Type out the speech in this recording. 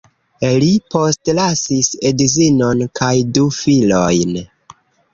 Li postlasis edzinon kaj du filojn.